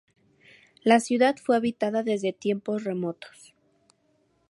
La ciudad fue habitada desde tiempos remotos.